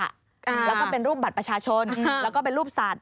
แล้วก็เป็นรูปบัตรประชาชนแล้วก็เป็นรูปสัตว